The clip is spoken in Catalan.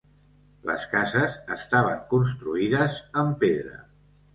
Les cases estaven construïdes amb pedra.